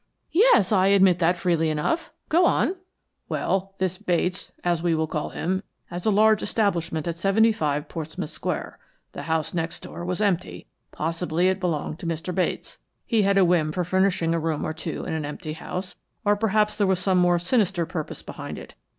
"Yes, I admit that freely enough. Go on." "Well, this Bates, as we will call him, has a large establishment at 75, Portsmouth Square. The house next door was empty, possibly it belonged to Mr. Bates. He had a whim for furnishing a room or two in an empty house, or perhaps there was some more sinister purpose behind it.